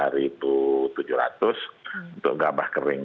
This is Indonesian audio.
rp tiga tujuh ratus untuk gabah kering